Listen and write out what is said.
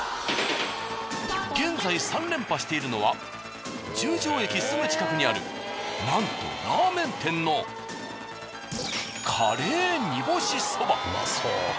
現在３連覇しているのは十条駅すぐ近くにあるなんとラーメン店のカレー煮干しそば。